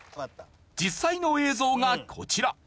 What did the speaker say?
実際の映像がこちら。